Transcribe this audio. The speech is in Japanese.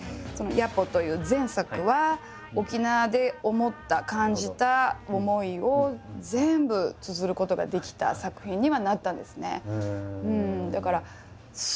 「ＪａＰｏ」という前作は沖縄で思った感じた思いを全部つづることができた作品にはなったんですね。